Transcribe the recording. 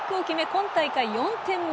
今大会４点目。